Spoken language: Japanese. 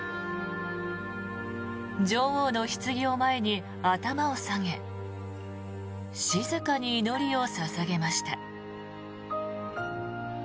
女王のひつぎを前に頭を下げ静かに祈りを捧げました。